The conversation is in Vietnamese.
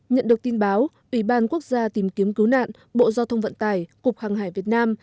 nhận được tin báo ủy ban quốc gia tìm kiếm cứu nạn bộ giao thông vận tải cục hàng hải việt nam